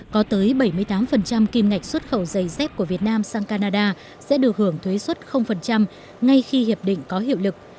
có tới bảy mươi tám kim ngạch xuất khẩu giày dép của việt nam sang canada sẽ được hưởng thuế xuất ngay khi hiệp định có hiệu lực